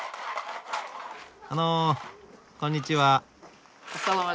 あのこんにちは。